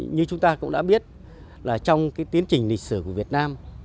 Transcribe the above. như chúng ta cũng đã biết là trong cái tiến trình lịch sử của việt nam